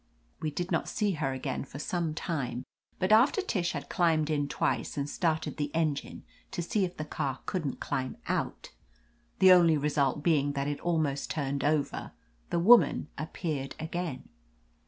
We did not see her again for some time, but after Tish had climbed in twice and started the engine, to see if the car couldn't climb out — the only result being that it almost turned over — the woman appeared again.